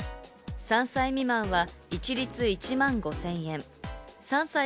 ３歳未満は一律１万５０００円。